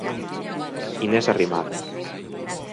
Inés Arrimadas.